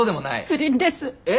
不倫です。え！？